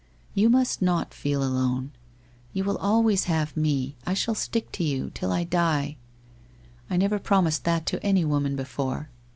'You must not feel alone. You will always have mo, I shall stick to you till I die. I never promised that to any woman before.